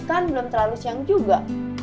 kan belum terlalu siang juga